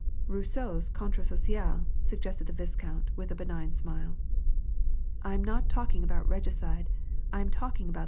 " Rousseau's Contrat social" suggested the viscount, with a benignant smile. " 1 am not talking about regicide, I am talking about the idea." * Cwnment, M.